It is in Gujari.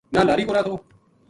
نہ لاری کو راہ تھو